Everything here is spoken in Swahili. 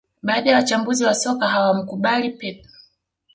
Baadhi ya wachambuzi wa soka hawamkubali Pep